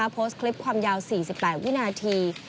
โพสต์คลิปความยาว๔๘วินาที